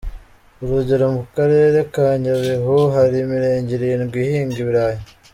Urugero mu Karere ka Nyabihu hari imirenge irindwi ihinga ibirayi.